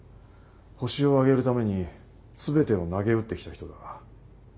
ホシを挙げるために全てをなげうってきた人だ。